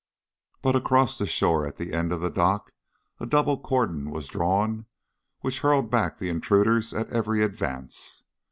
But across the shore end of the dock a double cordon was drawn which hurled back the intruders at every advance.